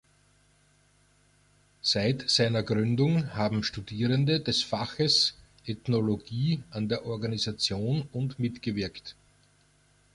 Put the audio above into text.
Seit seiner Gründung haben Studierende des Faches Ethnologie an der Organisation und mitgewirkt.